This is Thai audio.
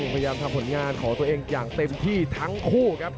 พยายามทำผลงานของตัวเองอย่างเต็มที่ทั้งคู่ครับ